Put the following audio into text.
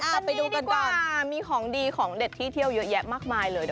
มานี่ดีกว่ามีของดีของเด็ดที่เที่ยวเยอะแยะมากมายเลย